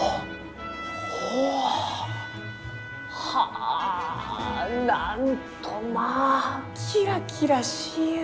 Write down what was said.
あなんとまあキラキラしゆう！